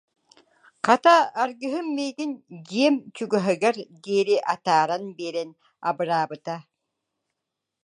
Хата, аргыһым миигин дьиэм чугаһыгар диэри атааран биэрэн абыраабыта